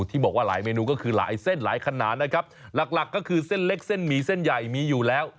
ที่บอกว่าหลายเมนูก็คือหลายเส้นหลายขนาดนะครับหลักหลักก็คือเส้นเล็กเส้นหมีเส้นใหญ่มีอยู่แล้ว